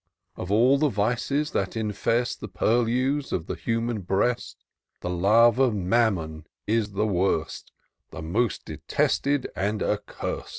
Of all the vices that infest The purlieus of the human breast, The love of Mammon is the worst, The most detested and accurst.